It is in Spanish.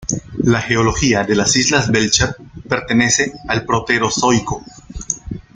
La geología de las islas Belcher pertenece al Proterozoico.